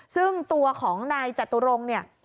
ซึ่งตัวของนายจตุรงค์เนี่ย